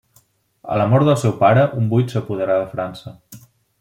A la mort del seu pare, un buit s'apoderà de França.